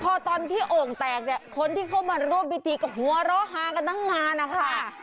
พอตอนที่โอ้งแตกเนี่ยพวกเค้ามาโรธพิธีดูตั้งข้างตั้งงานอะค่ะ